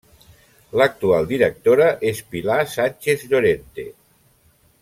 L'actual directora és Pilar Sánchez Llorente.